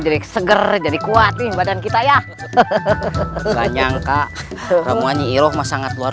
jadi segera jadi kuat nih badan kita ya hahaha nggak nyangka ramuannya iroh ma sangat luar